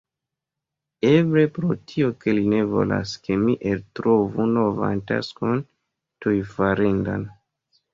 Eble, pro tio ke li ne volas ke mi eltrovu novan taskon tuj farendan.